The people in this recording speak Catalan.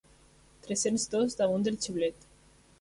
Tres-cents dos damunt del xiulet.